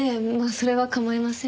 それは構いませんけど。